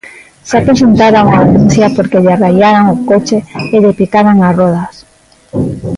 Xa presentara unha denuncia porque lle raiaran o coche e lle picaran as rodas.